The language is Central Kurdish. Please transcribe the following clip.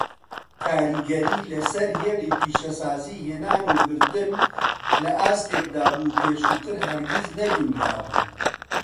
کاریگەری لەسەر هێڵی پیشەسازی هێنان و بردن لە ئاستێکدا بوو پێشووتر هەرگیز نەبینرابوو.